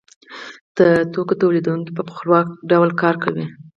د توکو تولیدونکی په خپلواک ډول کار کوي